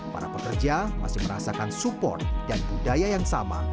para pekerja masih merasakan support dan budaya yang sama